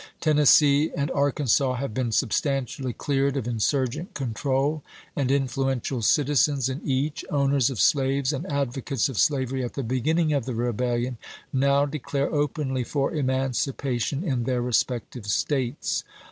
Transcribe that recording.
Tennessee and Arkansas have been substantially cleared of insurgent control, and influential citizens in each, owners of slaves and advocates of slavery at the beginning of the rebellion, now declare openly for emancipation in their respective States.